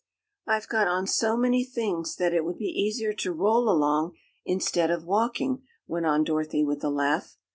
"I've got on so many things that it would be easier to roll along instead of walking," went on Dorothy with a laugh.